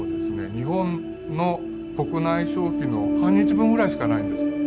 日本の国内消費の半日分ぐらいしかないんです。